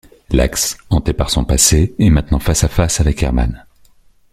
Lax, hanté par son passé, est maintenant face à face avec Herman.